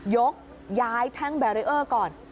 ยกย้ายแท่งแบรีเออร์ก่อน